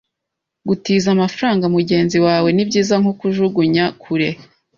Gutiza amafaranga mugenzi wawe nibyiza nko kujugunya kure.